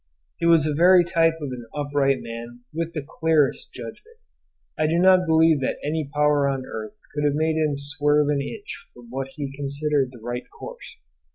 He was the very type of an upright man, with the clearest judgment. I do not believe that any power on earth could have made him swerve an inch from what he considered the right course.